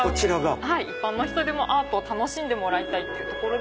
一般の人でもアートを楽しんでもらいたいってところで。